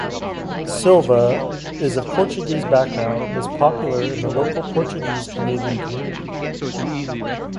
Silva is of Portuguese background and is popular in the local Portuguese Canadian community.